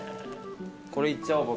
これいっちゃおう僕。